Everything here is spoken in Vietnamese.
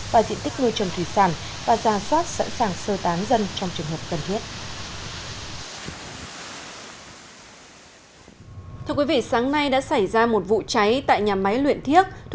và diện tích nuôi trồng thủy sản và ra soát sẵn sàng sơ tán dân trong trường hợp cần thiết